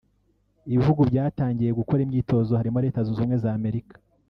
Ibihugu byatangiye gukora imyitozo harimo Leta Zunze Ubumwe za Amerika